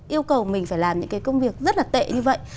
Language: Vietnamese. yêu cầu mình phải làm những cái công việc rất là tệ như vậy